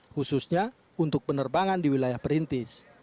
khususnya untuk penerbangan di wilayah perintis